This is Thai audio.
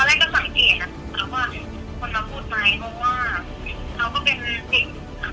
นี่คุณคิดว่าคุณภาของเราว่าติดประกอบมาแล้วเนี่ย